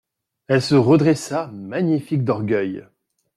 Elle se redressa magnifique d'orgueil.